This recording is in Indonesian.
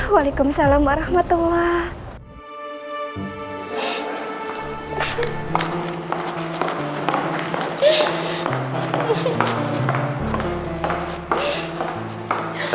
waalaikumsalam warahmatullahi wabarakatuh